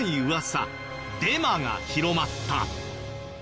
デマが広まった。